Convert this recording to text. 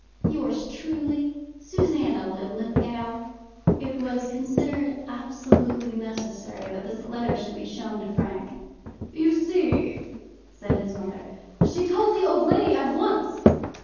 Yours truly, SUSANNA LINLITHGOW. It was considered absolutely necessary that this letter should be shown to Frank. "You see," said his mother, "she told the old lady at once."